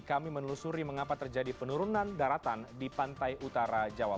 kami menelusuri mengapa terjadi penurunan daratan di pantai utara jawa